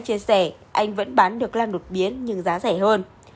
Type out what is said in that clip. chia sẻ anh vẫn bán được lan đột biến nhưng giá rẻ hơn